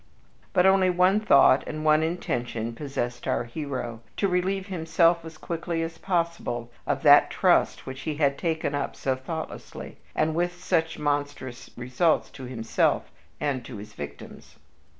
But only one thought and one intention possessed our hero to relieve himself as quickly as possible of that trust which he had taken up so thoughtlessly, and with such monstrous results to himself and to his victims.